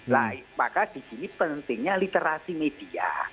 nah maka di sini pentingnya literasi media